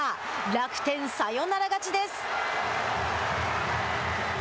楽天、サヨナラ勝ちです。